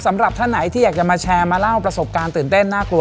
สำหรับท่านไหนที่อยากจะมาแชร์มาเล่าประสบการณ์ตื่นเต้นน่ากลัว